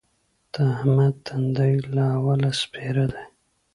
د احمد تندی له اوله سپېره دی.